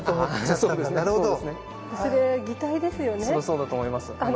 そうだと思います。